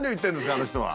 あの人は。